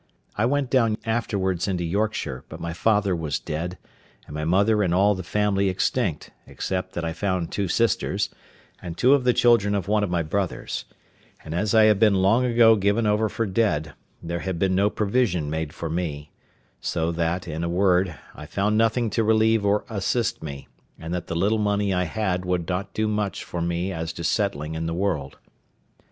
I went down afterwards into Yorkshire; but my father was dead, and my mother and all the family extinct, except that I found two sisters, and two of the children of one of my brothers; and as I had been long ago given over for dead, there had been no provision made for me; so that, in a word, I found nothing to relieve or assist me; and that the little money I had would not do much for me as to settling in the world.